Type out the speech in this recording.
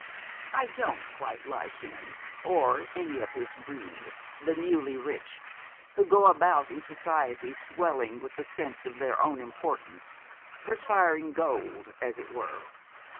'I don't quite like him or any of his breed, the newly rich, who go about in society swelling with the sense of their own importance, perspiring gold, as it were.